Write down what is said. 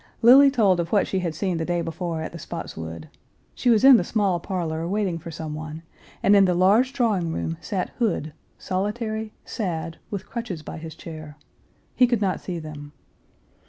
Lily told of what she had seen the day before at the Spottswood.. She was in the small parlor, waiting for someone, and in the large drawing room sat Hood, solitary, sad, with crutches by his chair. He could not see them.